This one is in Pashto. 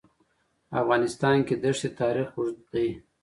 په افغانستان کې د ښتې تاریخ اوږد دی.